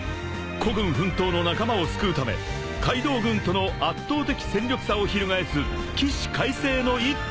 ［孤軍奮闘の仲間を救うためカイドウ軍との圧倒的戦力差を翻す起死回生の一手となるのか？］